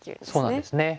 そうなんですね。